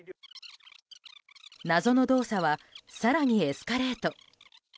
謎の動作は更にエスカレート。